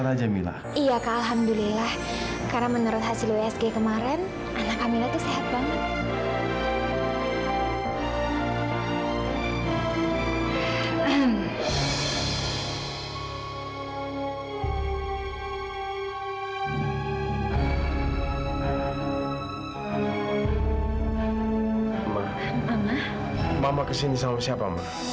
sampai jumpa di video selanjutnya